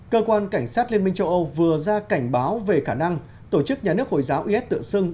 cơ quan cảnh sát liên minh châu âu vừa ra cảnh báo về khả năng tổ chức nhà nước hồi giáo is tự xưng